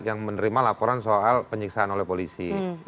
yang menerima laporan soal penyiksaan oleh polisi